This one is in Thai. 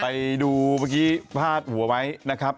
ไปดูเมื่อกี้พาดหัวไว้นะครับ